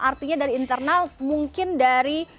artinya dari internal mungkin dari